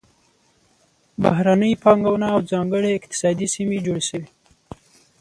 بهرنۍ پانګونه او ځانګړې اقتصادي سیمې جوړې شوې.